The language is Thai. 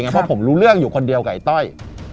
เพราะผมรู้เรื่องอยู่คนเดียวกับไอ้ต้อย